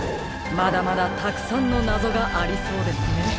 まだまだたくさんのなぞがありそうですね。